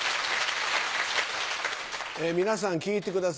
皆さん聞いてください。